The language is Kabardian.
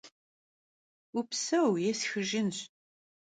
Vupseu, yêsxıjjınş.